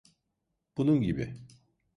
Bunun gibi.